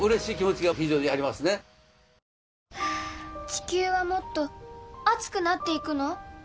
地球はもっと熱くなっていくの？